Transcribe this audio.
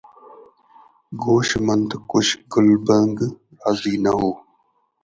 گوش منٿ ڪُش گلبنگ راضي نه هو